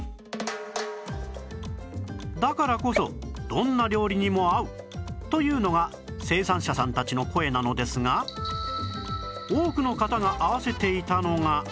だからこそどんな料理にも合うというのが生産者さんたちの声なのですが多くの方が合わせていたのが